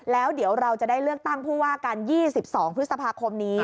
แล้วเดี๋ยวเราจะได้เลือกตั้งผู้ว่าการ๒๒พฤษภาคมนี้